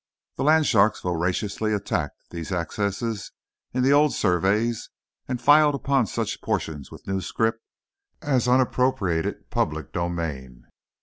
The land sharks voraciously attacked these excesses in the old surveys, and filed upon such portions with new scrip as unappropriated public domain.